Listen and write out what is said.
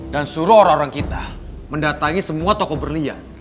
dan suruh orang orang kita mendatangi semua toko berlian